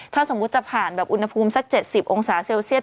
ถ้าสมมุติจะผ่านแบบอุณหภูมิสัก๗๐องศาเซลเซียต